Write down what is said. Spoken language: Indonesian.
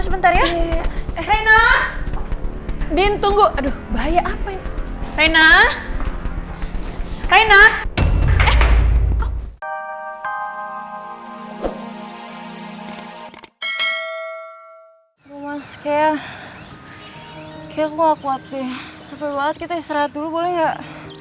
cepet banget kita istirahat dulu boleh gak